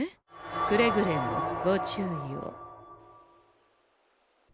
くれぐれもご注意を。